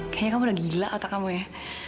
kayaknya kamu udah gila otak kamu ya